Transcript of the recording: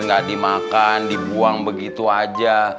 nggak dimakan dibuang begitu aja